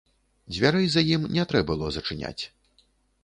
Дзвярэй за ім не трэ было зачыняць.